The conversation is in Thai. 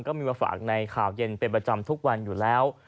ก็มีมาฝากในข่าวเย็นเป็นประจำทุกวันอยู่แล้ว